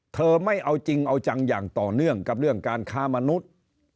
ไม่เอาจริงเอาจังอย่างต่อเนื่องกับเรื่องการค้ามนุษย์